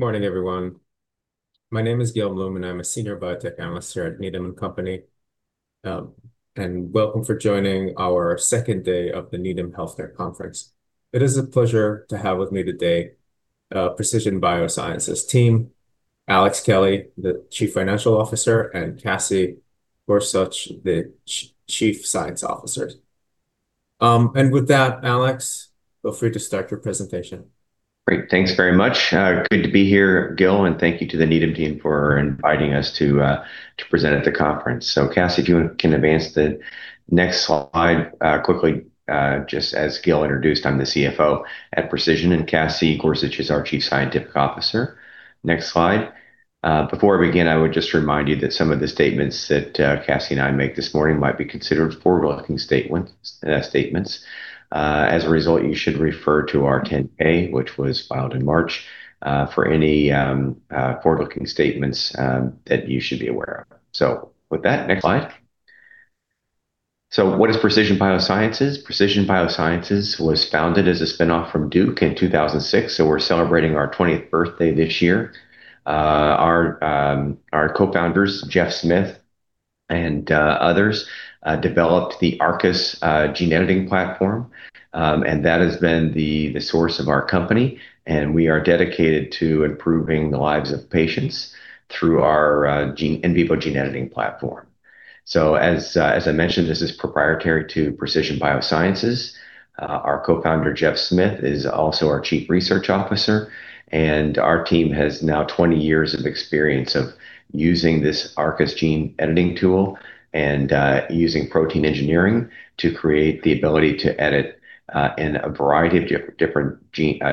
Good morning, everyone. My name is Gil Blum, and I'm a Senior Biotech Analyst here at Needham & Company. Welcome for joining our second day of the Needham Healthcare Conference. It is a pleasure to have with me today Precision BioSciences team, Alex Kelly, the Chief Financial Officer, and Cassie Gorsuch, the Chief Science Officer. With that, Alex, feel free to start your presentation. Great. Thanks very much. Good to be here, Gil, and thank you to the Needham team for inviting us to present at the conference. Cassie, if you can advance to the next slide quickly. Just as Gil introduced, I'm the CFO at Precision, and Cassie Gorsuch is our Chief Scientific Officer. Next slide. Before I begin, I would just remind you that some of the statements that Cassie and I make this morning might be considered forward-looking statements. As a result, you should refer to our 10-K, which was filed in March, for any forward-looking statements that you should be aware of. With that, next slide. What is Precision BioSciences? Precision BioSciences was founded as a spinoff from Duke in 2006, so we're celebrating our 20th birthday this year. Our co-founders, Jeff Smith and others, developed the ARCUS gene editing platform, and that has been the source of our company, and we are dedicated to improving the lives of patients through our in vivo gene editing platform. As I mentioned, this is proprietary to Precision BioSciences. Our co-founder, Jeff Smith, is also our Chief Research Officer, and our team has now 20 years of experience of using this ARCUS gene editing tool and using protein engineering to create the ability to edit in a variety of different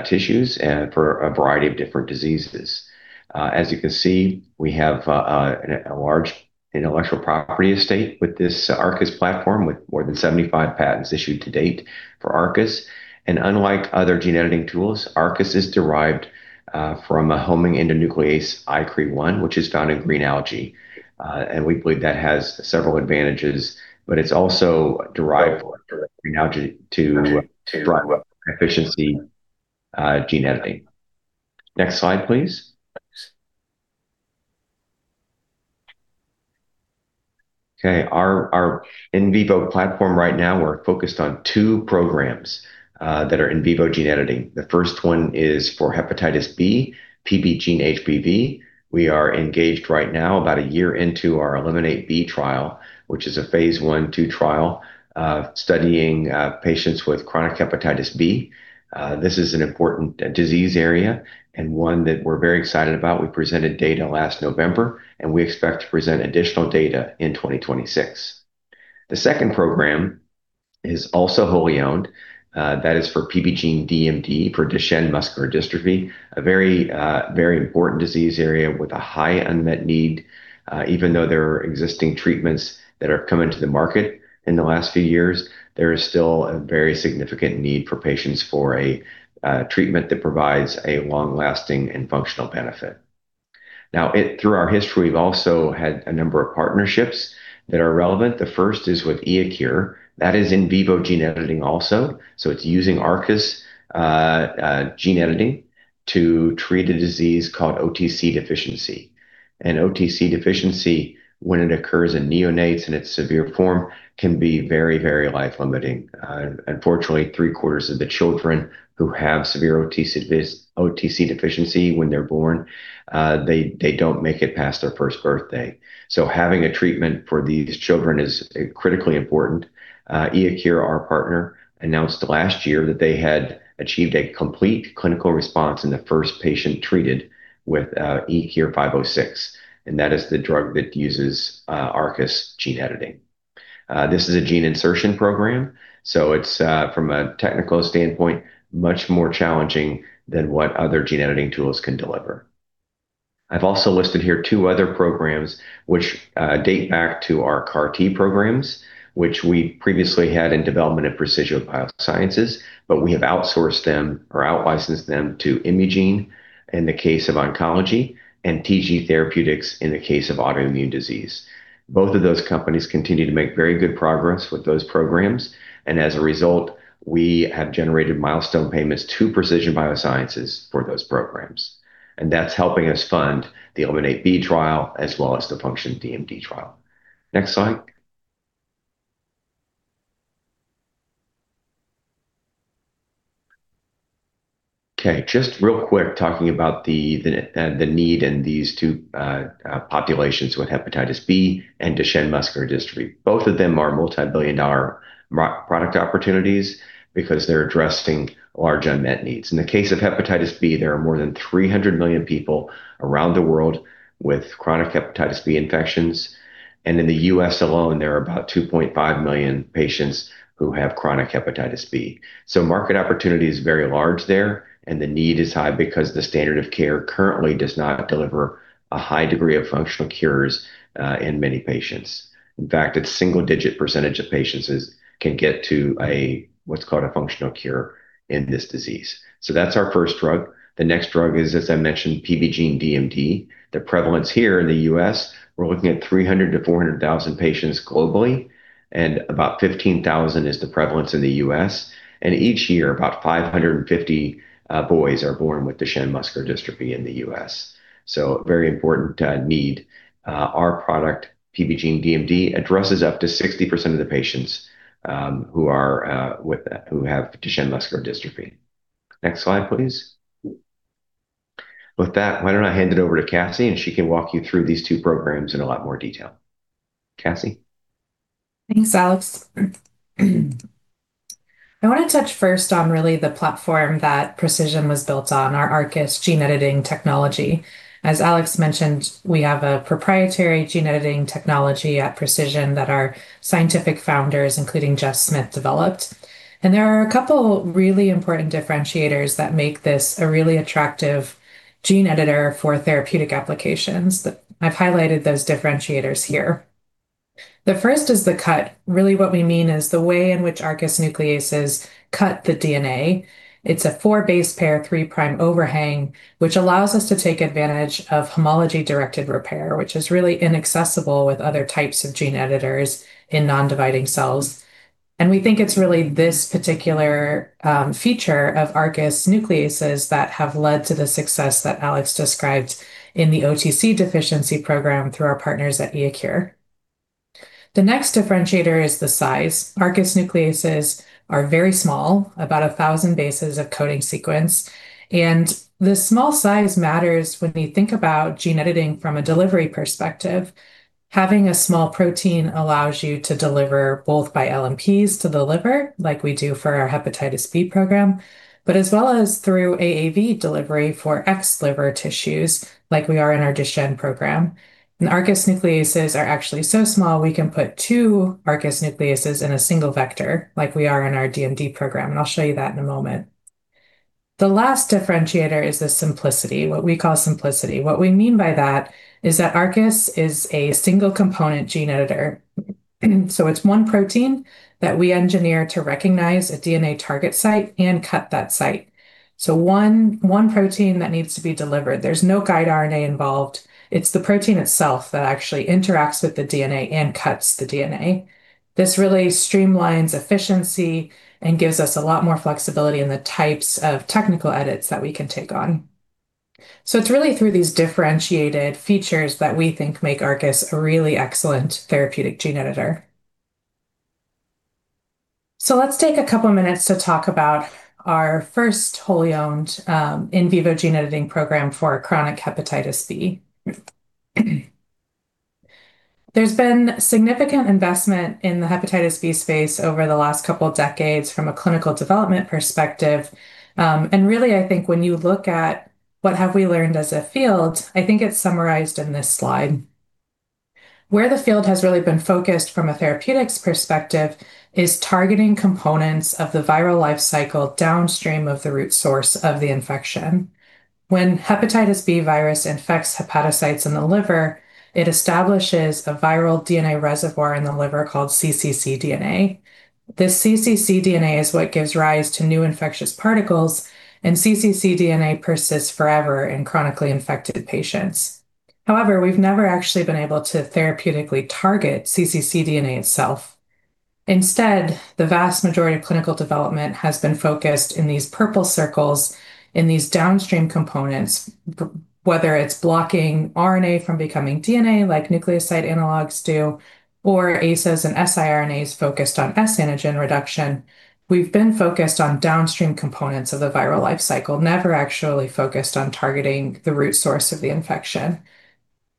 tissues and for a variety of different diseases. As you can see, we have a large intellectual property estate with this ARCUS platform, with more than 75 patents issued to date for ARCUS. Unlike other gene editing tools, ARCUS is derived from a homing endonuclease I-CreI, which is found in green algae. We believe that has several advantages, but it's also derived from green algae to drive efficiency gene editing. Next slide, please. Okay. Our in vivo platform right now, we're focused on two programs that are in vivo gene editing. The first one is for Hepatitis B, PBGENE-HBV. We are engaged right now about a year into our ELIMINATE-B trial, which is a phase 1/2 trial studying patients with chronic hepatitis B. This is an important disease area and one that we're very excited about. We presented data last November, and we expect to present additional data in 2026. The second program is also wholly owned. That is for PBGENE-DMD for Duchenne Muscular Dystrophy, a very important disease area with a high unmet need. Even though there are existing treatments that are coming to the market in the last few years, there is still a very significant need for patients for a treatment that provides a long-lasting and functional benefit. Now, through our history, we've also had a number of partnerships that are relevant. The first is with iECURE. That is in vivo gene editing also. It's using ARCUS gene editing to treat a disease called OTC deficiency, and OTC deficiency, when it occurs in neonates in its severe form, can be very life-limiting. Unfortunately, three-quarters of the children who have severe OTC deficiency when they're born, they don't make it past their first birthday. Having a treatment for these children is critically important. iECURE, our partner, announced last year that they had achieved a complete clinical response in the first patient treated with ECUR-506, and that is the drug that uses ARCUS gene editing. This is a gene insertion program, so it's, from a technical standpoint, much more challenging than what other gene-editing tools can deliver. I've also listed here two other programs which date back to our CAR T programs, which we previously had in development at Precision BioSciences, but we have outsourced them or outlicensed them to Imugene in the case of oncology and TG Therapeutics in the case of autoimmune disease. Both of those companies continue to make very good progress with those programs, and as a result, we have generated milestone payments to Precision BioSciences for those programs, and that's helping us fund the ELIMINATE-B trial as well as the FUNCTION-DMD trial. Next slide. Okay, just real quick, talking about the need in these two populations with hepatitis B and Duchenne Muscular Dystrophy. Both of them are multibillion-dollar product opportunities because they're addressing large unmet needs. In the case of hepatitis B, there are more than 300 million people around the world with chronic hepatitis B infections, and in the U.S. alone, there are about 2.5 million patients who have chronic hepatitis B. Market opportunity is very large there, and the need is high because the standard of care currently does not deliver a high degree of functional cures in many patients. In fact, a single-digit percentage of patients can get to what's called a functional cure in this disease. That's our first drug. The next drug is, as I mentioned, PBGENE-DMD. The prevalence here in the U.S., we're looking at 300,000-400,000 patients globally, and about 15,000 is the prevalence in the U.S. Each year, about 550 boys are born with Duchenne Muscular Dystrophy in the U.S. Very important need. Our product, PBGENE-DMD, addresses up to 60% of the patients who have Duchenne Muscular Dystrophy. Next slide, please. With that, why don't I hand it over to Cassie, and she can walk you through these two programs in a lot more detail. Cassie? Thanks, Alex. I want to touch first on really the platform that Precision was built on, our ARCUS gene editing technology. As Alex mentioned, we have a proprietary gene editing technology at Precision that our scientific founders, including Jeff Smith, developed. There are a couple really important differentiators that make this a really attractive gene editor for therapeutic applications. I've highlighted those differentiators here. The first is the cut. Really what we mean is the way in which ARCUS nucleases cut the DNA. It's a four base pair, three-prime overhang, which allows us to take advantage of homology-directed repair, which is really inaccessible with other types of gene editors in non-dividing cells. We think it's really this particular feature of ARCUS nucleases that have led to the success that Alex described in the OTC deficiency program through our partners at iECURE. The next differentiator is the size. ARCUS nucleases are very small, about 1,000 bases of coding sequence, and the small size matters when we think about gene editing from a delivery perspective. Having a small protein allows you to deliver both by LNPs to the liver, like we do for our hepatitis B program, but as well as through AAV delivery for ex-liver tissues, like we are in our Duchenne program. ARCUS nucleases are actually so small we can put two ARCUS nucleases in a single vector, like we are in our DMD program, and I'll show you that in a moment. The last differentiator is the simplicity, what we call simplicity. What we mean by that is that ARCUS is a single component gene editor, so it's one protein that we engineer to recognize a DNA target site and cut that site. One protein that needs to be delivered. There's no guide RNA involved. It's the protein itself that actually interacts with the DNA and cuts the DNA. This really streamlines efficiency and gives us a lot more flexibility in the types of technical edits that we can take on. It's really through these differentiated features that we think make ARCUS a really excellent therapeutic gene editor. Let's take a couple minutes to talk about our first wholly owned in vivo gene editing program for chronic hepatitis B. There's been significant investment in the hepatitis B space over the last couple of decades from a clinical development perspective. Really, I think when you look at what have we learned as a field, I think it's summarized in this slide. Where the field has really been focused from a therapeutics perspective is targeting components of the viral life cycle downstream of the root source of the infection. When hepatitis B virus infects hepatocytes in the liver, it establishes a viral DNA reservoir in the liver called cccDNA. This cccDNA is what gives rise to new infectious particles, and cccDNA persists forever in chronically infected patients. However, we've never actually been able to therapeutically target cccDNA itself. Instead, the vast majority of clinical development has been focused in these purple circles, in these downstream components, whether it's blocking RNA from becoming DNA, like nucleoside analogues do, or ASOs and siRNAs focused on S antigen reduction. We've been focused on downstream components of the viral life cycle, never actually focused on targeting the root source of the infection.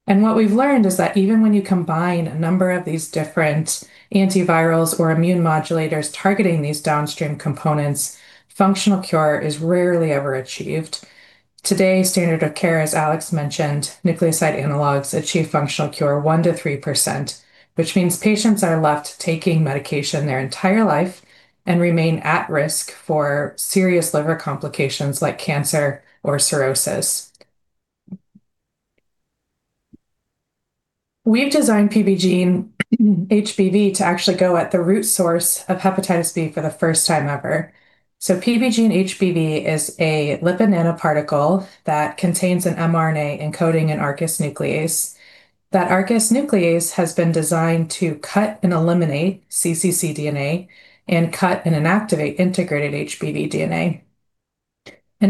What we've learned is that even when you combine a number of these different antivirals or immune modulators targeting these downstream components, functional cure is rarely ever achieved. Today, standard of care, as Alex mentioned, nucleoside analogues achieve functional cure 1%-3%, which means patients are left taking medication their entire life and remain at risk for serious liver complications like cancer or cirrhosis. We've designed PBGENE-HBV to actually go at the root source of hepatitis B for the first time ever. PBGENE-HBV is a lipid nanoparticle that contains an mRNA encoding an ARCUS nuclease. That ARCUS nuclease has been designed to cut and eliminate cccDNA and cut and inactivate integrated HBV DNA.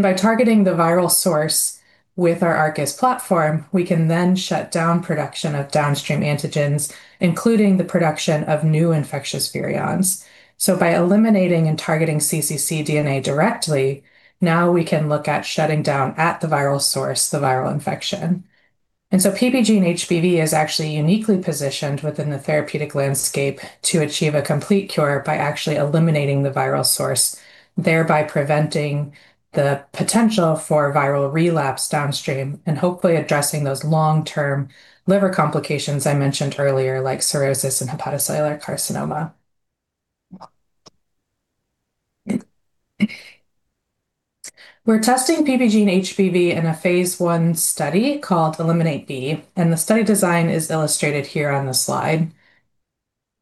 By targeting the viral source with our ARCUS platform, we can then shut down production of downstream antigens, including the production of new infectious virions. By eliminating and targeting cccDNA directly, now we can look at shutting down, at the viral source, the viral infection. PBGENE-HBV is actually uniquely positioned within the therapeutic landscape to achieve a complete cure by actually eliminating the viral source, thereby preventing the potential for viral relapse downstream and hopefully addressing those long-term liver complications I mentioned earlier, like cirrhosis and hepatocellular carcinoma. We're testing PBGENE-HBV in a Phase 1 study called ELIMINATE-B, and the study design is illustrated here on the slide.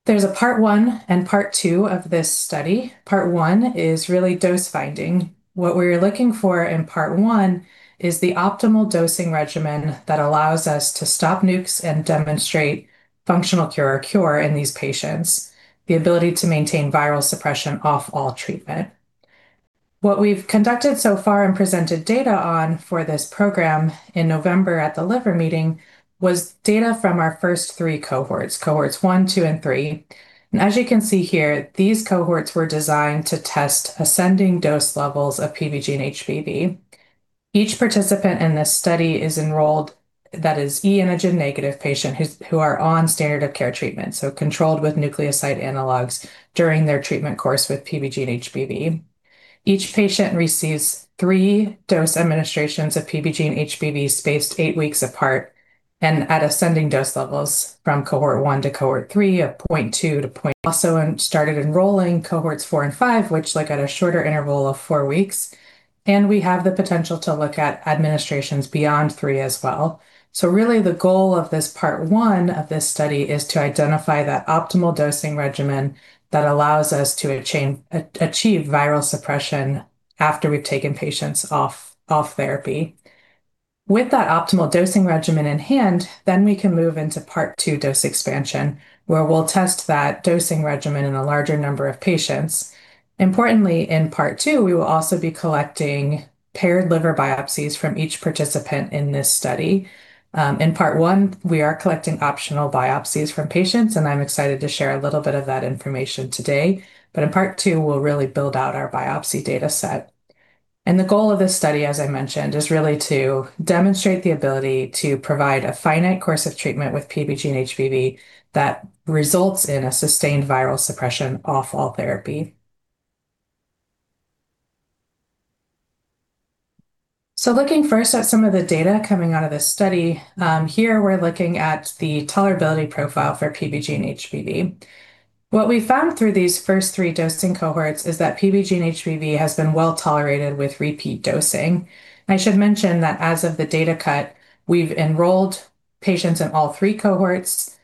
There's a Part 1 and Part 2 of this study. Part 1 is really dose finding. What we're looking for in Part 1 is the optimal dosing regimen that allows us to stop NUCs and demonstrate functional cure or cure in these patients, the ability to maintain viral suppression off all treatment. What we've conducted so far and presented data on for this program in November at the liver meeting was data from our first three cohorts: Cohorts 1, 2, and 3. As you can see here, these cohorts were designed to test ascending dose levels of PBGENE-HBV. Each participant in this study is enrolled, that is HBeAg-negative patient who are on standard of care treatment, so controlled with nucleoside analogues during their treatment course with PBGENE-HBV. Each patient receives three dose administrations of PBGENE-HBV spaced eight weeks apart and at ascending dose levels from Cohort 1 to Cohort 3 of 0.2. We also started enrolling Cohorts 4 and 5, which look at a shorter interval of four weeks. We have the potential to look at administrations beyond 3 as well. Really the goal of this Part 1 of this study is to identify that optimal dosing regimen that allows us to achieve viral suppression after we've taken patients off therapy. With that optimal dosing regimen in hand, then we can move into Part 2 dose expansion, where we'll test that dosing regimen in a larger number of patients. Importantly, in Part 2, we will also be collecting paired liver biopsies from each participant in this study. In Part 1, we are collecting optional biopsies from patients, and I'm excited to share a little bit of that information today. In Part 2, we'll really build out our biopsy data set. The goal of this study, as I mentioned, is really to demonstrate the ability to provide a finite course of treatment with PBGENE-HBV that results in a sustained viral suppression off all therapy. Looking first at some of the data coming out of this study, here we're looking at the tolerability profile for PBGENE-HBV. What we found through these first three dosing cohorts is that PBGENE-HBV has been well-tolerated with repeat dosing. I should mention that as of the data cut, we've enrolled patients in all three cohorts.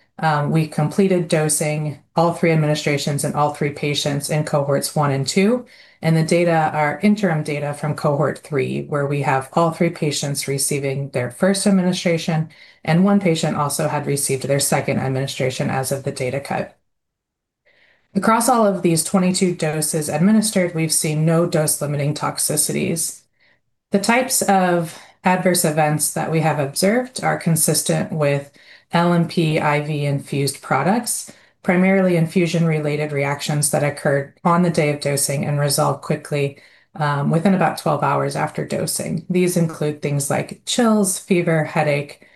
We completed dosing all three administrations in all three patients in Cohorts 1 and 2. The data are interim data from Cohort 3, where we have all three patients receiving their first administration, and one patient also had received their second administration as of the data cut. Across all of these 22 doses administered, we've seen no dose-limiting toxicities. The types of adverse events that we have observed are consistent with LNP IV infused products, primarily infusion-related reactions that occurred on the day of dosing and resolve quickly, within about 12 hours after dosing. These include things like chills, fever, headache.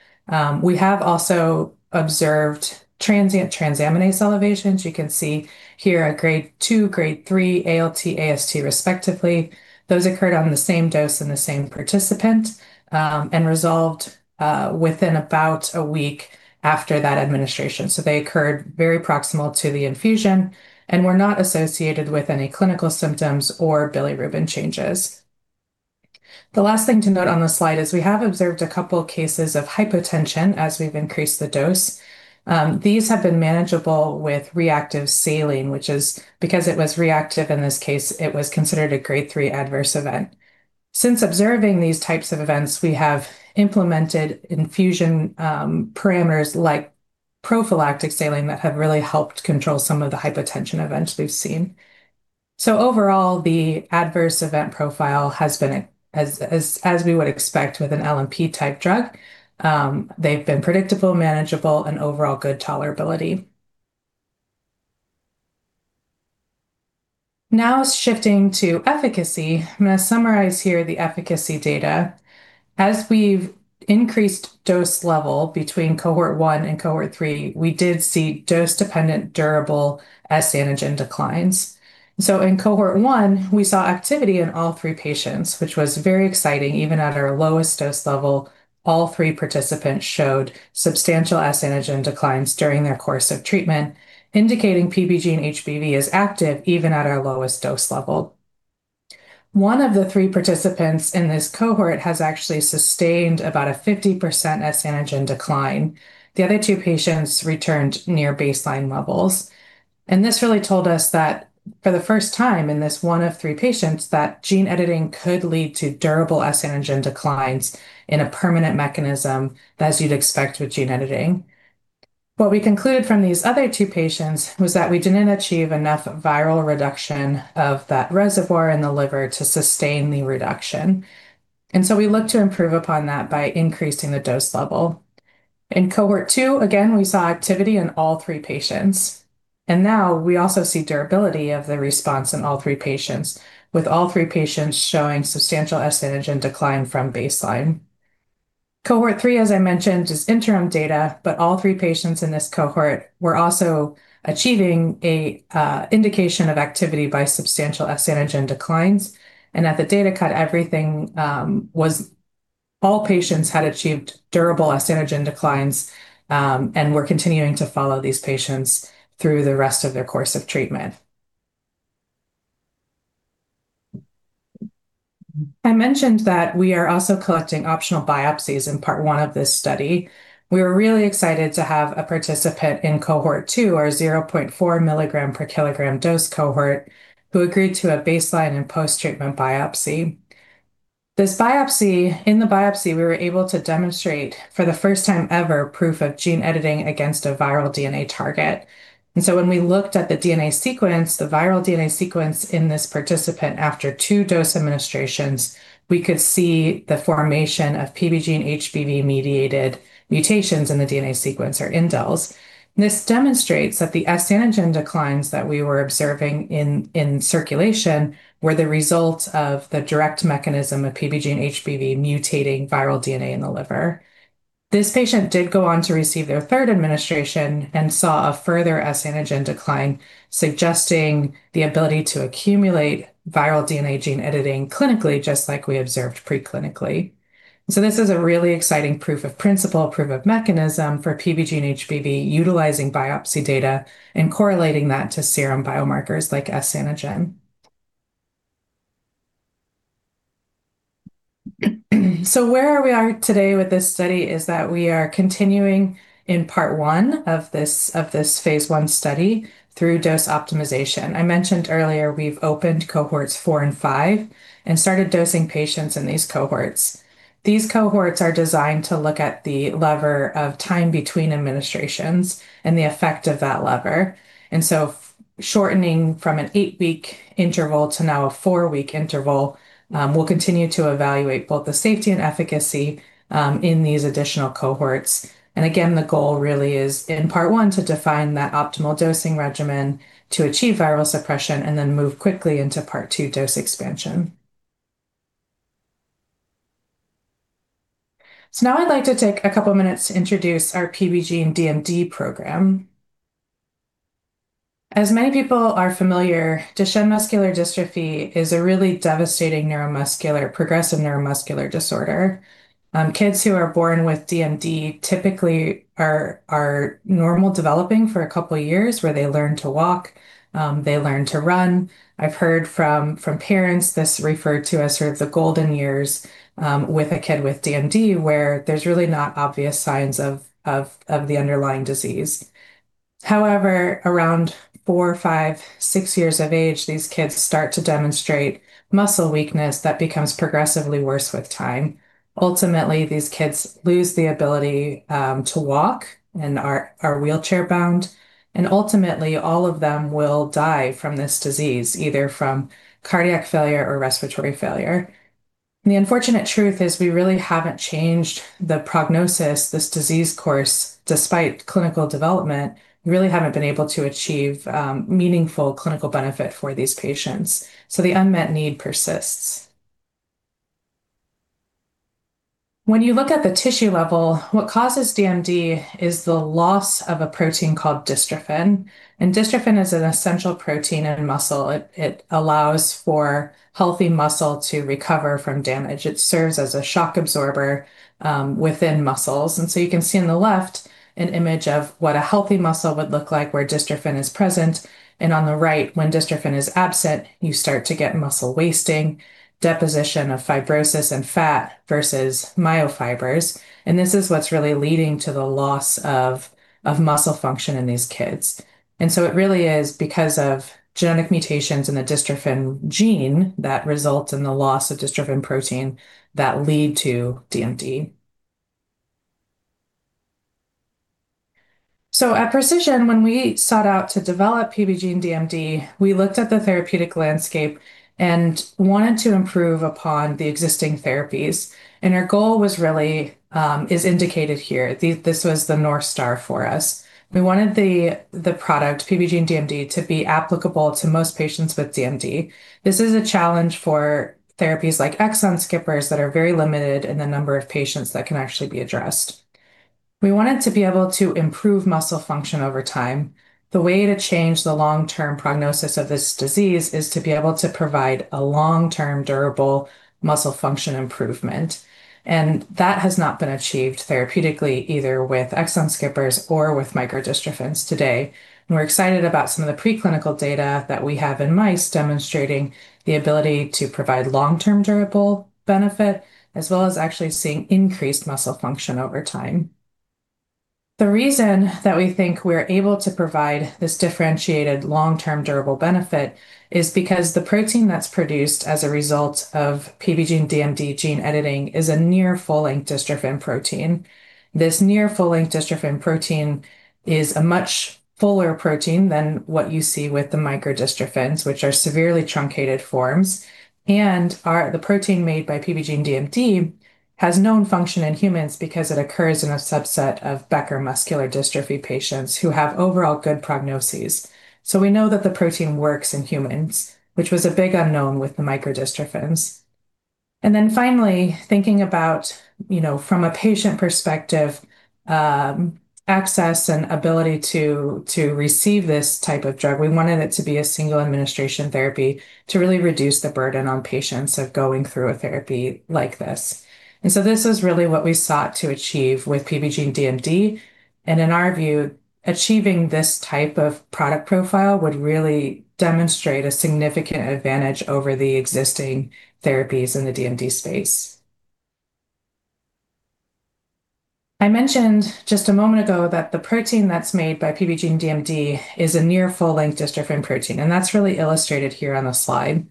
We have also observed transient transaminase elevations. You can see here a Grade 2, Grade 3 ALT, AST respectively. Those occurred on the same dose in the same participant, and resolved within about a week after that administration. They occurred very proximal to the infusion and were not associated with any clinical symptoms or bilirubin changes. The last thing to note on the slide is we have observed a couple cases of hypotension as we've increased the dose. These have been manageable with reactive saline. Because it was reactive in this case, it was considered a Grade 3 adverse event. Since observing these types of events, we have implemented infusion parameters like prophylactic saline that have really helped control some of the hypotension events we've seen. Overall, the adverse event profile has been as we would expect with an LNP-type drug. They've been predictable, manageable, and overall good tolerability. Now shifting to efficacy. I'm going to summarize here the efficacy data. As we've increased dose level between Cohort 1 and Cohort 3, we did see dose-dependent durable S antigen declines. In Cohort 1, we saw activity in all three patients, which was very exciting. Even at our lowest dose level, all three participants showed substantial S antigen declines during their course of treatment, indicating PBGENE-HBV is active even at our lowest dose level. One of the three participants in this cohort has actually sustained about a 50% S antigen decline. The other two patients returned near baseline levels. This really told us that for the first time in this one of three patients, that gene editing could lead to durable S antigen declines in a permanent mechanism as you'd expect with gene editing. What we concluded from these other two patients was that we didn't achieve enough viral reduction of that reservoir in the liver to sustain the reduction. We look to improve upon that by increasing the dose level. In Cohort 2, again, we saw activity in all three patients. Now we also see durability of the response in all three patients, with all three patients showing substantial S antigen decline from baseline. Cohort 3, as I mentioned, is interim data, but all three patients in this cohort were also achieving a indication of activity by substantial S antigen declines. At the data cut, all patients had achieved durable S antigen declines, and we're continuing to follow these patients through the rest of their course of treatment. I mentioned that we are also collecting optional biopsies in part one of this study. We were really excited to have a participant in Cohort 2, our 0.4 mg/kg dose cohort, who agreed to a baseline and post-treatment biopsy. In the biopsy, we were able to demonstrate for the first time ever, proof of gene editing against a viral DNA target. When we looked at the DNA sequence, the viral DNA sequence in this participant after two dose administrations, we could see the formation of PBGENE-HBV-mediated mutations in the DNA sequence or indels. This demonstrates that the S antigen declines that we were observing in circulation were the result of the direct mechanism of PBGENE-HBV mutating viral DNA in the liver. This patient did go on to receive their third administration and saw a further S antigen decline, suggesting the ability to accumulate viral DNA gene editing clinically, just like we observed pre-clinically. So this is a really exciting proof of principle, proof of mechanism for PBGENE-HBV utilizing biopsy data and correlating that to serum biomarkers like S antigen. So where we are today with this study is that we are continuing in part one of this phase one study through dose optimization. I mentioned earlier we've opened Cohorts 4 and 5 and started dosing patients in these cohorts. These cohorts are designed to look at the lever of time between administrations and the effect of that lever, and so shortening from an eight-week interval to now a four-week interval, we'll continue to evaluate both the safety and efficacy in these additional cohorts. And again, the goal really is in part one to define that optimal dosing regimen to achieve viral suppression and then move quickly into part two dose expansion. Now I'd like to take a couple minutes to introduce our PBGENE-DMD program. As many people are familiar, Duchenne Muscular Dystrophy is a really devastating progressive neuromuscular disorder. Kids who are born with DMD typically are normal developing for a couple of years, where they learn to walk, they learn to run. I've heard from parents this referred to as sort of the golden years with a kid with DMD, where there's really not obvious signs of the underlying disease. However, around four, five, six years of age, these kids start to demonstrate muscle weakness that becomes progressively worse with time. Ultimately, these kids lose the ability to walk and are wheelchair-bound, and ultimately, all of them will die from this disease, either from cardiac failure or respiratory failure. The unfortunate truth is we really haven't changed the prognosis, this disease course. Despite clinical development, we really haven't been able to achieve meaningful clinical benefit for these patients. The unmet need persists. When you look at the tissue level, what causes DMD is the loss of a protein called dystrophin, and dystrophin is an essential protein in muscle. It allows for healthy muscle to recover from damage. It serves as a shock absorber within muscles. You can see on the left an image of what a healthy muscle would look like where dystrophin is present, and on the right, when dystrophin is absent, you start to get muscle wasting, deposition of fibrosis and fat versus myofibers. This is what's really leading to the loss of muscle function in these kids. It really is because of genetic mutations in the dystrophin gene that result in the loss of dystrophin protein that lead to DMD. At Precision, when we sought out to develop PBGENE-DMD, we looked at the therapeutic landscape and wanted to improve upon the existing therapies, and our goal was really, as indicated here. This was the north star for us. We wanted the product, PBGENE-DMD, to be applicable to most patients with DMD. This is a challenge for therapies like exon skippers that are very limited in the number of patients that can actually be addressed. We wanted to be able to improve muscle function over time. The way to change the long-term prognosis of this disease is to be able to provide a long-term, durable muscle function improvement, and that has not been achieved therapeutically either with exon skippers or with micro-dystrophins today. We're excited about some of the preclinical data that we have in mice demonstrating the ability to provide long-term, durable benefit as well as actually seeing increased muscle function over time. The reason that we think we're able to provide this differentiated long-term durable benefit is because the protein that's produced as a result of PBGENE-DMD gene editing is a near-full-length dystrophin protein. This near-full-length dystrophin protein is a much fuller protein than what you see with the micro-dystrophins, which are severely truncated forms, and the protein made by PBGENE-DMD has known function in humans because it occurs in a subset of Becker Muscular Dystrophy patients who have overall good prognoses. We know that the protein works in humans, which was a big unknown with the micro-dystrophins. Finally, thinking about from a patient perspective, access and ability to receive this type of drug, we wanted it to be a single administration therapy to really reduce the burden on patients of going through a therapy like this. This is really what we sought to achieve with PBGENE-DMD, and in our view, achieving this type of product profile would really demonstrate a significant advantage over the existing therapies in the DMD space. I mentioned just a moment ago that the protein that's made by PBGENE-DMD is a near full-length dystrophin protein, and that's really illustrated here on the slide.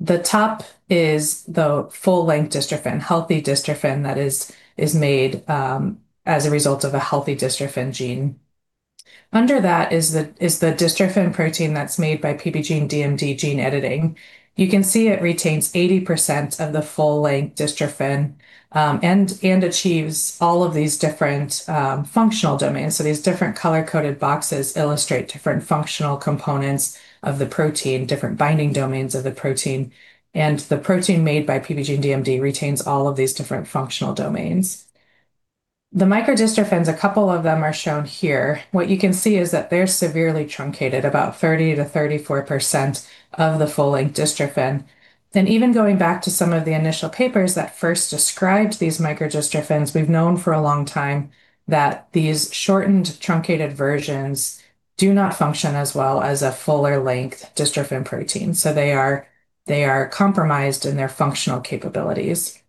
The top is the full-length dystrophin, healthy dystrophin that is made as a result of a healthy dystrophin gene. Under that is the dystrophin protein that's made by PBGENE-DMD gene editing. You can see it retains 80% of the full-length dystrophin, and achieves all of these different functional domains. These different color-coded boxes illustrate different functional components of the protein, different binding domains of the protein. The protein made by PBGENE-DMD retains all of these different functional domains. The micro-dystrophins, a couple of them are shown here. What you can see is that they're severely truncated, about 30%-34% of the full-length dystrophin. Even going back to some of the initial papers that first described these micro-dystrophins, we've known for a long time that these shortened, truncated versions do not function as well as a fuller length dystrophin protein. They are compromised in their functional capabilities.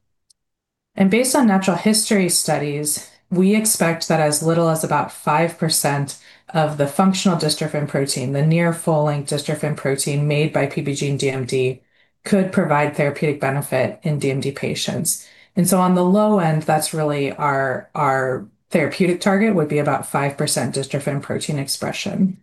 Based on natural history studies, we expect that as little as about 5% of the functional dystrophin protein, the near full-length dystrophin protein made by PBGENE-DMD, could provide therapeutic benefit in DMD patients. On the low end, that's really our therapeutic target, would be about 5% dystrophin protein expression.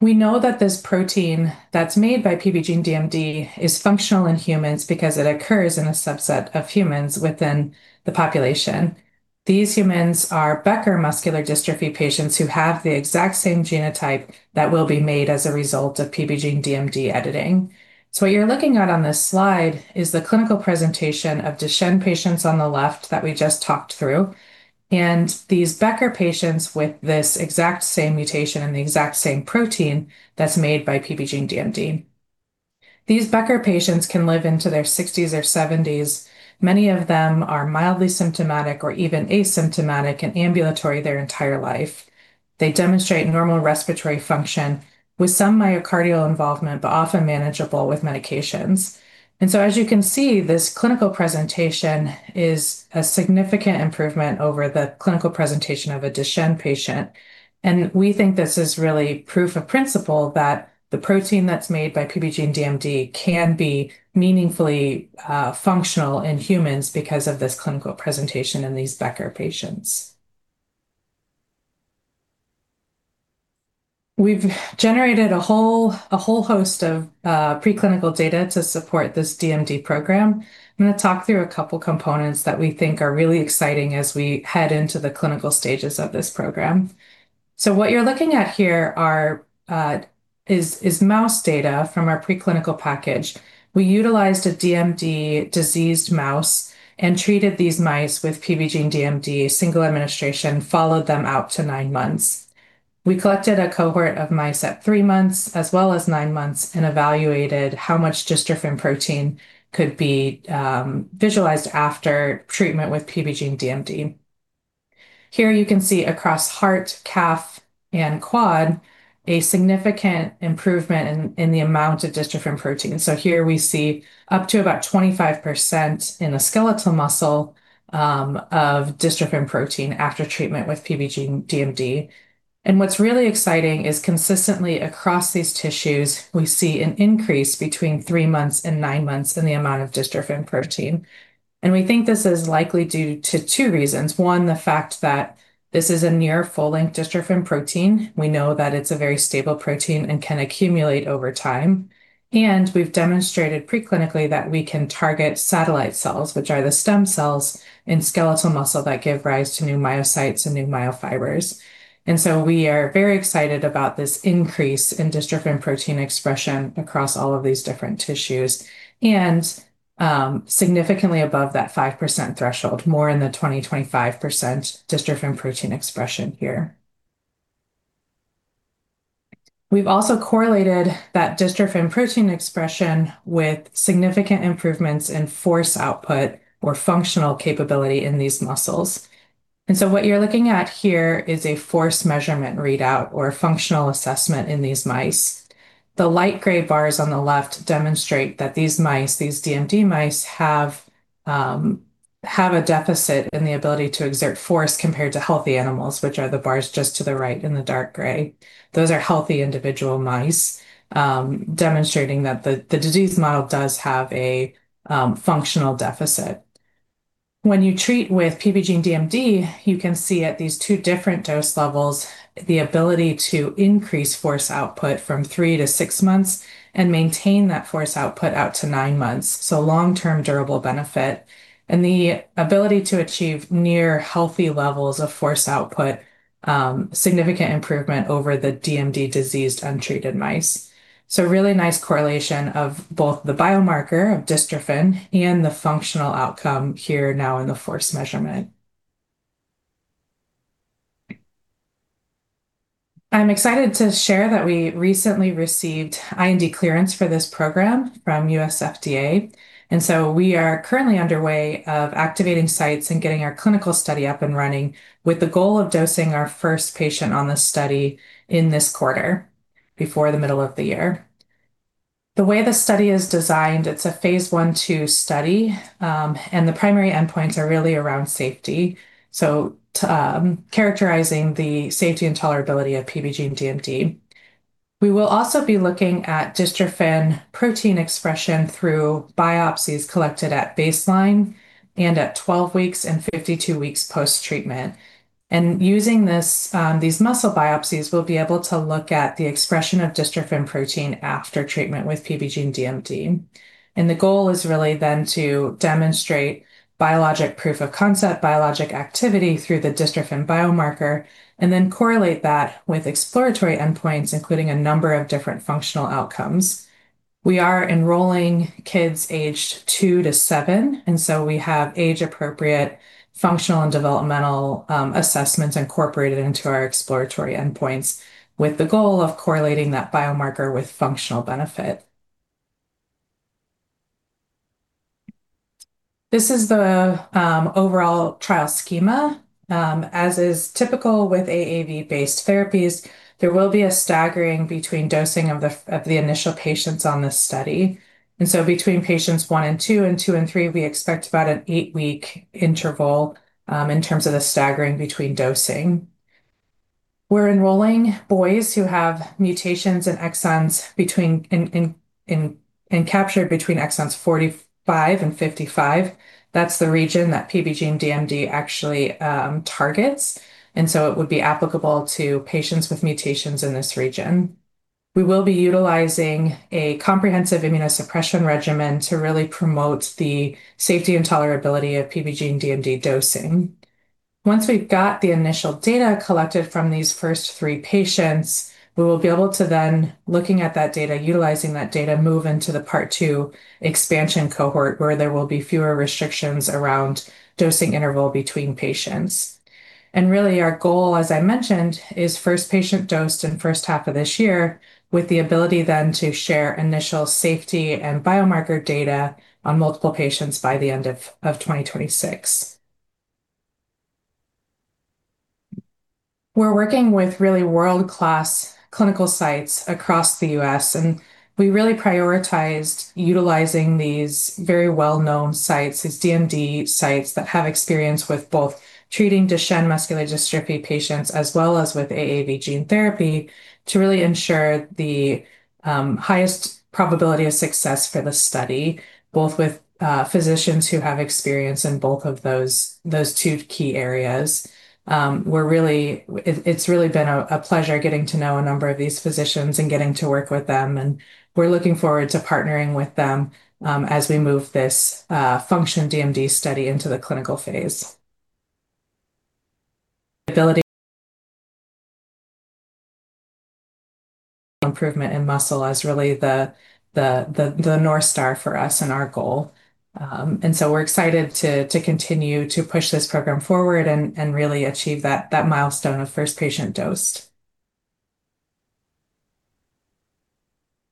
We know that this protein that's made by PBGENE-DMD is functional in humans because it occurs in a subset of humans within the population. These humans are Becker Muscular Dystrophy patients who have the exact same genotype that will be made as a result of PBGENE-DMD editing. What you're looking at on this slide is the clinical presentation of Duchenne patients on the left that we just talked through, and these Becker patients with this exact same mutation and the exact same protein that's made by PBGENE-DMD. These Becker patients can live into their 60s or 70s. Many of them are mildly symptomatic or even asymptomatic and ambulatory their entire life. They demonstrate normal respiratory function with some myocardial involvement but often manageable with medications. As you can see, this clinical presentation is a significant improvement over the clinical presentation of a Duchenne patient. We think this is really proof of principle that the protein that's made by PBGENE-DMD can be meaningfully functional in humans because of this clinical presentation in these Becker patients. We've generated a whole host of preclinical data to support this DMD program. I'm going to talk through a couple of components that we think are really exciting as we head into the clinical stages of this program. What you're looking at here is mouse data from our preclinical package. We utilized a DMD diseased mouse and treated these mice with PBGENE-DMD, a single administration, followed them out to nine months. We collected a cohort of mice at three months as well as nine months and evaluated how much dystrophin protein could be visualized after treatment with PBGENE-DMD. Here you can see across heart, calf, and quad, a significant improvement in the amount of dystrophin protein. Here we see up to about 25% in the skeletal muscle of dystrophin protein after treatment with PBGENE-DMD. What's really exciting is consistently across these tissues, we see an increase between three months and nine months in the amount of dystrophin protein. We think this is likely due to two reasons. One, the fact that this is a near full-length dystrophin protein. We know that it's a very stable protein and can accumulate over time. We've demonstrated preclinically that we can target satellite cells, which are the stem cells in skeletal muscle that give rise to new myocytes and new myofibers. We are very excited about this increase in dystrophin protein expression across all of these different tissues, and significantly above that 5% threshold, more in the 20%-25% dystrophin protein expression here. We've also correlated that dystrophin protein expression with significant improvements in force output or functional capability in these muscles. What you're looking at here is a force measurement readout or functional assessment in these mice. The light gray bars on the left demonstrate that these DMD mice have a deficit in the ability to exert force compared to healthy animals, which are the bars just to the right in the dark gray. Those are healthy individual mice, demonstrating that the disease model does have a functional deficit. When you treat with PBGENE-DMD, you can see at these two different dose levels, the ability to increase force output from three to six months and maintain that force output out to nine months, long-term durable benefit. The ability to achieve near healthy levels of force output, significant improvement over the DMD diseased untreated mice, really nice correlation of both the biomarker of dystrophin and the functional outcome here now in the force measurement. I'm excited to share that we recently received IND clearance for this program from U.S. FDA, and so we are currently underway of activating sites and getting our clinical study up and running with the goal of dosing our first patient on this study in this quarter, before the middle of the year. The way the study is designed, it's a phase 1/2 study, and the primary endpoints are really around safety. Characterizing the safety and tolerability of PBGENE-DMD. We will also be looking at dystrophin protein expression through biopsies collected at baseline and at 12 weeks and 52 weeks post-treatment. Using these muscle biopsies, we'll be able to look at the expression of dystrophin protein after treatment with PBGENE-DMD. The goal is really then to demonstrate biologic proof of concept, biologic activity through the dystrophin biomarker, and then correlate that with exploratory endpoints, including a number of different functional outcomes. We are enrolling kids aged two to seven, and so we have age-appropriate functional and developmental assessments incorporated into our exploratory endpoints with the goal of correlating that biomarker with functional benefit. This is the overall trial schema. As is typical with AAV-based therapies, there will be a staggering between dosing of the initial patients on this study. Between patients one and two, and two and three, we expect about an eight-week interval in terms of the staggering between dosing. We're enrolling boys who have mutations in exons encaptured between exons 45 and 55. That's the region that PBGENE-DMD actually targets, and so it would be applicable to patients with mutations in this region. We will be utilizing a comprehensive immunosuppression regimen to really promote the safety and tolerability of PBGENE-DMD dosing. Once we've got the initial data collected from these first three patients, we will be able to then, looking at that data, utilizing that data, move into the Part 2 expansion cohort, where there will be fewer restrictions around dosing interval between patients. Really our goal, as I mentioned, is first patient dosed in first half of this year, with the ability then to share initial safety and biomarker data on multiple patients by the end of 2026. We're working with really world-class clinical sites across the U.S., and we really prioritized utilizing these very well-known sites, these DMD sites that have experience with both treating Duchenne Muscular Dystrophy patients as well as with AAV gene therapy to really ensure the highest probability of success for the study, both with physicians who have experience in both of those two key areas. It's really been a pleasure getting to know a number of these physicians and getting to work with them, and we're looking forward to partnering with them as we move this FUNCTION-DMD study into the clinical phase. Ability improvement in muscle as really the north star for us and our goal. We're excited to continue to push this program forward and really achieve that milestone of first patient dosed.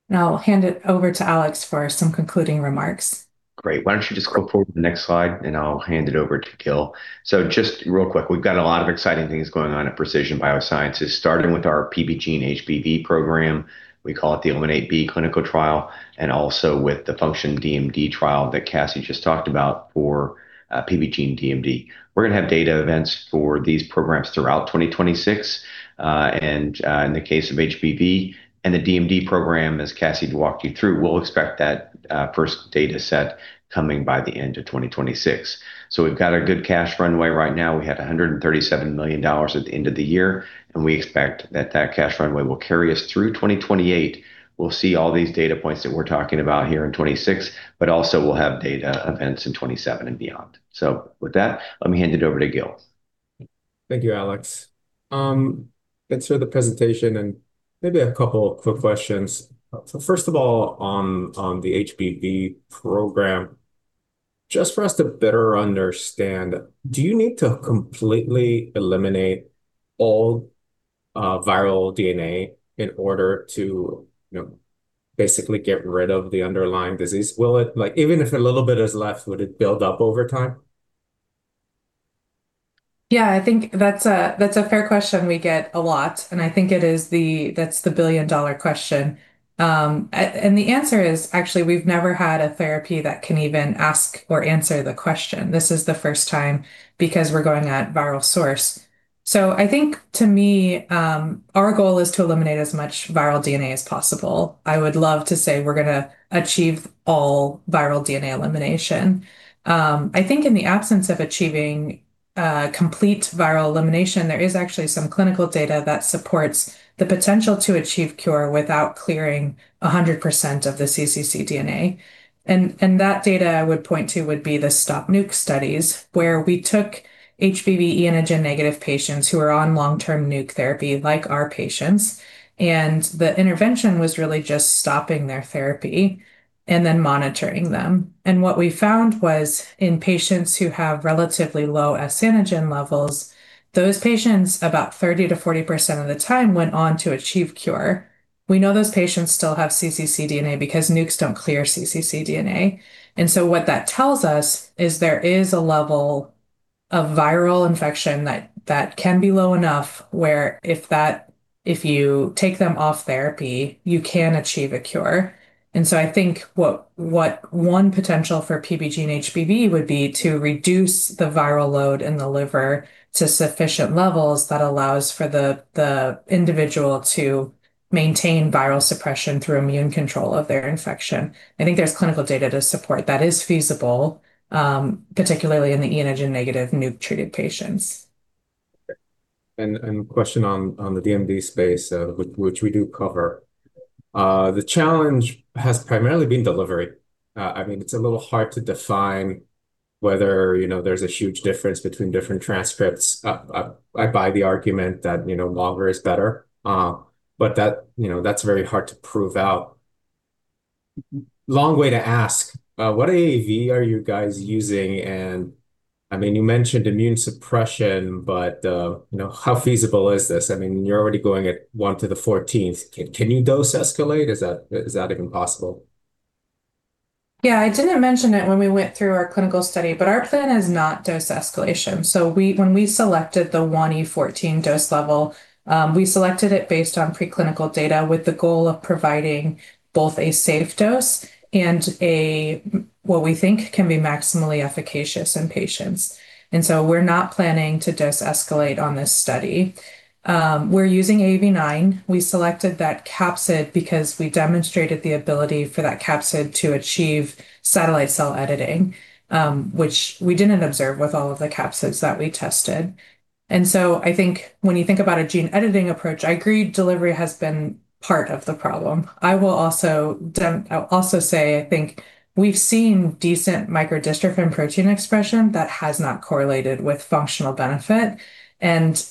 Now I'll hand it over to Alex for some concluding remarks. Great. Why don't you just go forward to the next slide, and I'll hand it over to Gil. Just real quick, we've got a lot of exciting things going on at Precision BioSciences, starting with our PBGENE-HBV program. We call it the ELIMINATE-B clinical trial, and also with the FUNCTION-DMD trial that Cassie just talked about for PBGENE-DMD. We're going to have data events for these programs throughout 2026. In the case of HBV and the DMD program, as Cassie walked you through, we'll expect that first data set coming by the end of 2026. We've got a good cash runway right now. We had $137 million at the end of the year, and we expect that that cash runway will carry us through 2028. We'll see all these data points that we're talking about here in 2026, but also we'll have data events in 2027 and beyond. With that, let me hand it over to Gil. Thank you, Alex. Thanks for the presentation and maybe a couple of quick questions. First of all, on the HBV program, just for us to better understand, do you need to completely eliminate all viral DNA in order to basically get rid of the underlying disease? Even if a little bit is left, would it build up over time? Yeah, I think that's a fair question we get a lot, and I think that's the billion-dollar question. The answer is, actually, we've never had a therapy that can even ask or answer the question. This is the first time because we're going at viral source. I think to me, our goal is to eliminate as much viral DNA as possible. I would love to say we're going to achieve all viral DNA elimination. I think in the absence of achieving complete viral elimination, there is actually some clinical data that supports the potential to achieve cure without clearing 100% of the cccDNA. That data I would point to would be the Stop NUC studies, where we took HBV e-antigen negative patients who are on long-term NUC therapy, like our patients, and the intervention was really just stopping their therapy and then monitoring them. What we found was in patients who have relatively low S antigen levels, those patients, about 30%-40% of the time, went on to achieve cure. We know those patients still have cccDNA because NUCs don't clear cccDNA. What that tells us is there is a level of viral infection that can be low enough where if you take them off therapy, you can achieve a cure. I think what one potential for PBGENE-HBV would be to reduce the viral load in the liver to sufficient levels that allows for the individual to maintain viral suppression through immune control of their infection. I think there's clinical data to support that is feasible, particularly in the e-antigen negative NUC-treated patients. Question on the DMD space, which we do cover. The challenge has primarily been delivery. It's a little hard to define whether there's a huge difference between different transcripts. I buy the argument that longer is better, but that's very hard to prove out. Long way to ask, what AAV are you guys using? You mentioned immune suppression, but how feasible is this? You're already going at one to the 14th. Can you dose escalate? Is that even possible? Yeah. I didn't mention it when we went through our clinical study, but our plan is not dose escalation. When we selected the 1 × 10¹⁴ vg/kg dose level, we selected it based on preclinical data with the goal of providing both a safe dose and what we think can be maximally efficacious in patients. We're not planning to dose escalate on this study. We're using AAV9. We selected that capsid because we demonstrated the ability for that capsid to achieve satellite cell editing, which we didn't observe with all of the capsids that we tested. I think when you think about a gene editing approach, I agree delivery has been part of the problem. I will also say, I think we've seen decent micro-dystrophin protein expression that has not correlated with functional benefit, and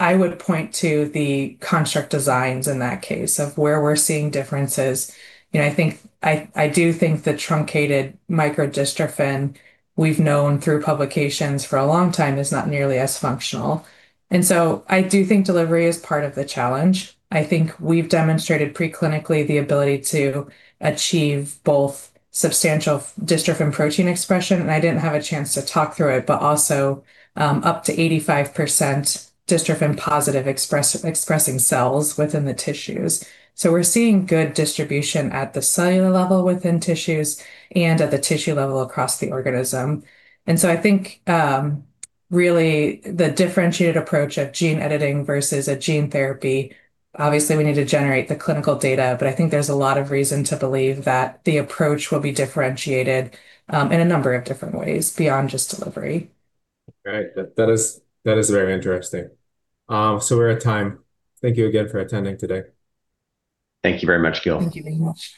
I would point to the construct designs in that case of where we're seeing differences. I do think the truncated micro-dystrophin we've known through publications for a long time is not nearly as functional. I do think delivery is part of the challenge. I think we've demonstrated preclinically the ability to achieve both substantial dystrophin protein expression, and I didn't have a chance to talk through it, but also up to 85% dystrophin positive expressing cells within the tissues. We're seeing good distribution at the cellular level within tissues and at the tissue level across the organism. I think, really, the differentiated approach of gene editing versus a gene therapy, obviously we need to generate the clinical data, but I think there's a lot of reason to believe that the approach will be differentiated in a number of different ways beyond just delivery. Right. That is very interesting. We're at time. Thank you again for attending today. Thank you very much, Gil. Thank you very much.